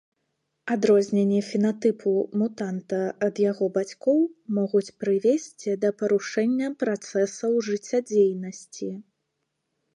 Адрозненні фенатыпу мутанта ад яго бацькоў могуць прывесці да парушэння працэсаў жыццядзейнасці.